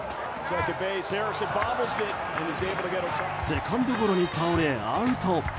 セカンドゴロに倒れ、アウト。